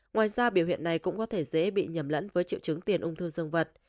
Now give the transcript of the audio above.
ngoài ra biểu hiện này cũng có thể dễ bị nhầm lẫn với triệu chứng tiền ung thư dương vật